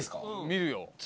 見るよ